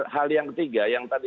hal yang ketiga yang tadi